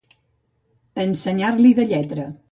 Ensenyar-li de lletra.